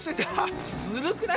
ずるくない？